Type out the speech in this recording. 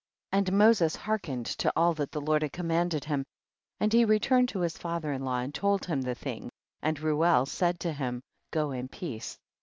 7. And Moses hearkened to all that the Lord had commanded him. and he returned to his fathcr in hiw and told him the thing, and Reuel said to him, go in peace.